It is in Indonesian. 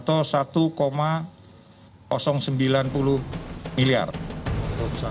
dan diketahui sebesar rp satu sembilan puluh